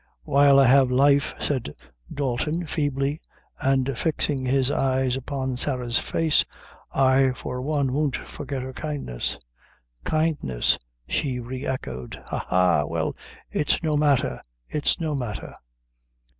"While I have life," said Dalton feebly, and fixing his eyes upon Sarah's face, "I, for one, won't forget her kindness." "Kindness!" she re echoed "ha, ha! well, it's no matter it's no matter!"